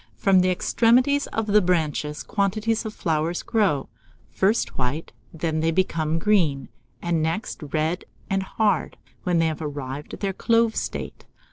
From the extremities of the branches quantities of flowers grow, first white; then they become green, and next red and hard, when they have arrived at their clove state.